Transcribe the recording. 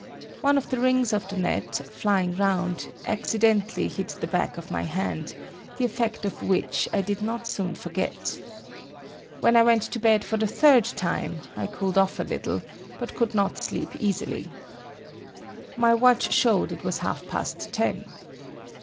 One of the rings of the net, flying round, accidentally hit the back of my hand, the effect of which I did not soon forget. When I went to bed for the third time, I cooled off a little, but could not sleep easily. My watch showed it was half past ten.